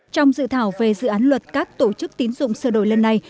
trong dự thảo về dự án luật các tổ chức tín dụng sửa đổi lần này